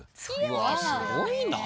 うわっすごいな。